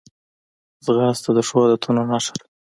ځغاسته د ښو عادتونو نښه ده